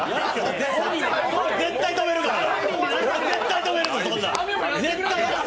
絶対止めるからな。